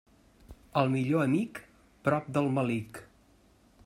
El millor amic, prop del melic.